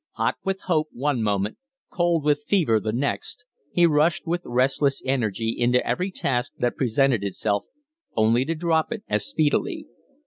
Hot with hope one moment, cold with fever the next, he rushed with restless energy into every task that presented itself only to drop it as speedily.